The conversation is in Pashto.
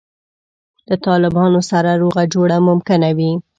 له طالبانو سره روغه جوړه ممکنه وي.